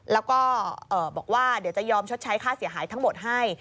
และก็จะยอมชดใช้ค่าเสียหายทั้งหมดให้